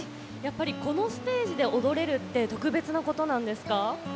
このステージで踊れるって特別なことなんですか？